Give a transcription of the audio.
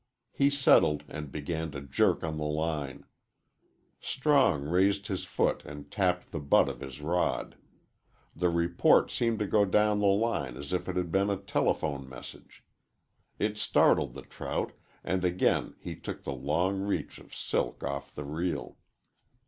He settled and began to jerk on the line. Strong raised his foot and tapped the butt of his rod. The report seemed to go down the line as if it had been a telephone message. It startled the trout, and again he took a long reach of silk off the reel.